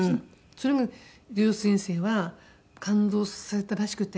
それが淳先生は感動されたらしくて。